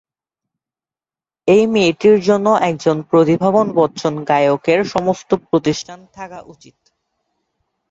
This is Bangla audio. এই মেয়েটির জন্য একজন প্রতিভাবান বচ্চন গায়কের সমস্ত প্রতিষ্ঠান থাকা উচিত।